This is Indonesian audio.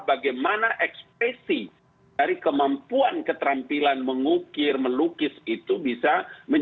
bagaimana ekspresi dari kemampuan keterampilan mengukir melukis itu bisa menjadi bagian daripada seniman